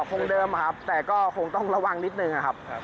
คงเดิมครับแต่ก็คงต้องระวังนิดนึงครับ